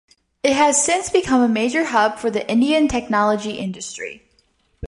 It has since become a major hub for the Indian technology industry.